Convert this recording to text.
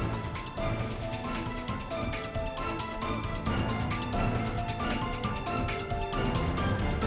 kamu secara tidak sengaja telah mengores mobil teman kamu